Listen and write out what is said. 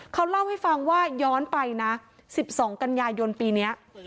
เขาเล่าให้ฟังว่าย้อนไปนะสิบสองกัญญายนปีเนี้ย